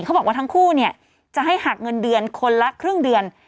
เขาบอกว่าทั้งคู่เนี่ยจะให้หักเงินเดือนคนละครึ่งเดือน